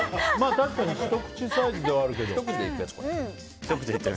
確かにひと口サイズではあるけど。